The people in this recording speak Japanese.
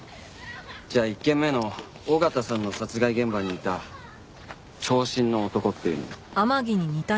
じゃあ１件目の緒方さんの殺害現場にいた長身の男っていうのも。